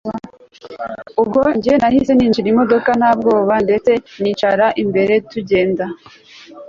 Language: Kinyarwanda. ubwo njye nahise ninjira imodoka ntabwoba ndetse niacara imbere tugenda